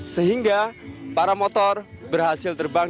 sehingga paramotor berhasil terbang